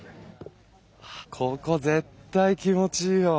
ここ絶対気持ちいいよ。